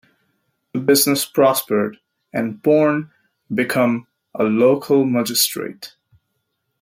The business prospered, and Bourne become a local magistrate.